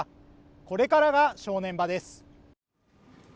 これからが正念場です